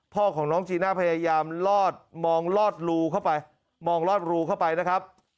พ่อของน้องจีน่าพยายามลอดมองลอดรูเข้าไปมองลอดรูเข้าไปนะครับ